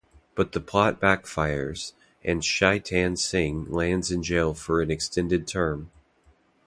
But the plot backfires, and Shaitan Singh lands in jail for an extended term.